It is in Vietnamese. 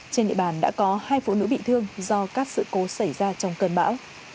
trên địa bàn đã có hai phụ nữ bị thương do các sự cố xảy ra trong cơn bão